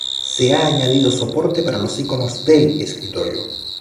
Se ha añadido soporte para los iconos del escritorio.